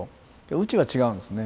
うちは違うんですね。